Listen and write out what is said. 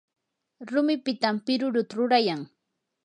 rumipitam piruruta rurayan.